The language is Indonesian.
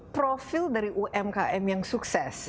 profil dari umkm yang sukses